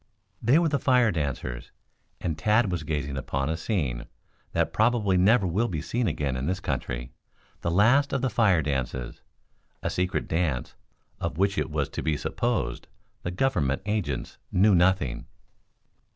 They were the fire dancers and Tad was gazing upon a scene that probably never will be seen again in this country the last of the fire dances a secret dance of which it was to be supposed the Government agents knew nothing.